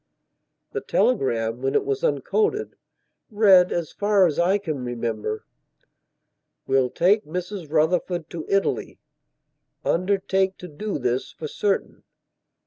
The telegram when it was uncoded, read, as far as I can remember: "Will take Mrs Rufford to Italy. Undertake to do this for certain.